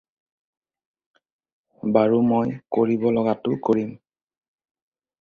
বাৰু, মই কৰিব লগাটো কৰিম।